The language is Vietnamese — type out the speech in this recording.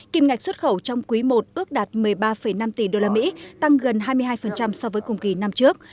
kim ngạch xuất khẩu trong quý i ước đạt một mươi ba năm tỷ usd tăng gần hai mươi hai so với cùng kỳ năm trước